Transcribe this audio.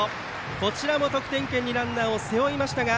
こちらも得点圏にランナーを背負いましたが